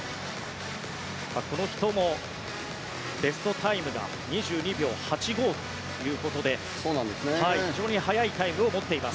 この人もベストタイムが２２秒８５ということで非常に速いタイムを持っています。